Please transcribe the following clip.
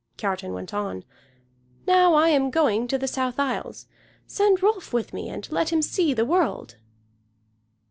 Kiartan went on: "Now I am going to the South Isles. Send Rolf with me, and let him see the world."